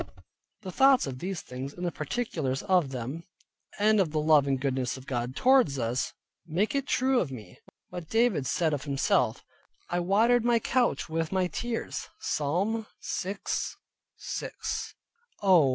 The thoughts of these things in the particulars of them, and of the love and goodness of God towards us, make it true of me, what David said of himself, "I watered my Couch with my tears" (Psalm 6.6). Oh!